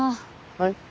はい？